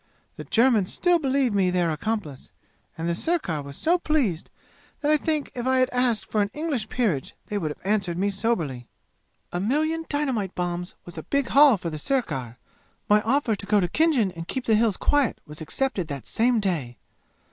The Germans still believe me their accomplice and the sirkar was so pleased that I think if I had asked for an English peerage they would have answered me soberly. A million dynamite bombs was a big haul for the sirkar! My offer to go to Khinjan and keep the 'Hills' quiet was accepted that same day!